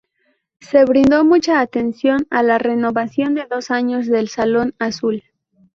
Se brindó mucha atención a la renovación de dos años del Salón Azul.